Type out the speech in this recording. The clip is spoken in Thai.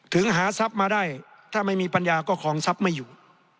หาทรัพย์มาได้ถ้าไม่มีปัญญาก็คลองทรัพย์ไม่อยู่